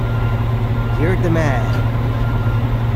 You're the man!